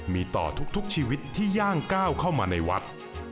มีต่อทุกชีวิตที่ย่างก้าวเข้ามาในวัด